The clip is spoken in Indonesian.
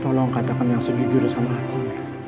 tolong katakan yang sejujurnya sama aku el